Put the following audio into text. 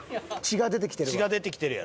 血が出てきてるわ。